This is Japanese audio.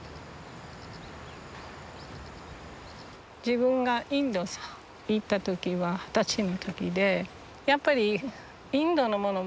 自分がインド行った時は二十歳の時でやっぱりインドのもの